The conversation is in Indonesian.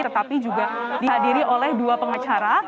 tetapi juga dihadiri oleh dua pengacara